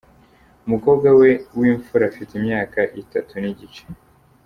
Umukobwa we w’imfura afite imyaka itatu n’igice.